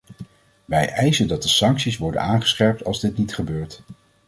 Wij eisen dat de sancties worden aangescherpt als dit niet gebeurt.